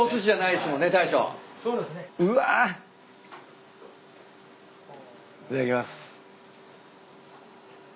いただきます。